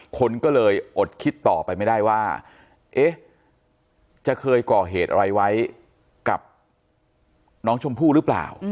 คนก็เลยอดคิดต่อไปไม่ได้ว่าเอ๊ะจะเคยก่อเหตุอะไรไว้กับน้องชมพู่หรือเปล่า